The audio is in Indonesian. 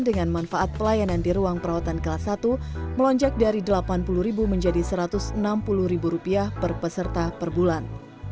dengan manfaat pelayanan di ruang perawatan kelas satu melonjak dari rp delapan puluh menjadi rp satu ratus enam puluh per peserta per bulan